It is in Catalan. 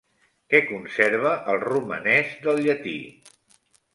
Què conserva el romanès del llatí?